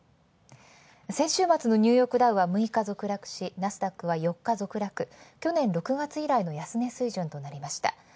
先週末のニューヨークダウは６日続落し、ナスダックは４日続落、去年６月以来の安値水準となりました。